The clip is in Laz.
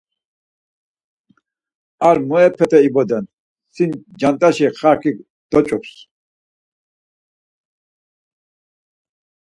Ar muepete iboden! Sin cant̆aşa xarkik docups.